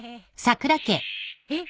えっ！